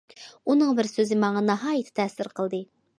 ئۇنىڭ بىر سۆزى ماڭا ناھايىتى تەسىر قىلدى.